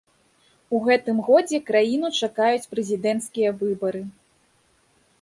У гэтым годзе краіну чакаюць прэзідэнцкія выбары.